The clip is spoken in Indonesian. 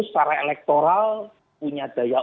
secara elektoral punya daya